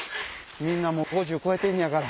みんな５０超えてんねやから。